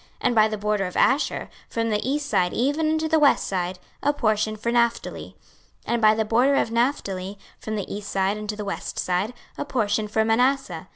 26:048:003 And by the border of Asher, from the east side even unto the west side, a portion for Naphtali. 26:048:004 And by the border of Naphtali, from the east side unto the west side, a portion for Manasseh.